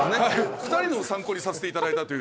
２人のを参考にさせていただいたという。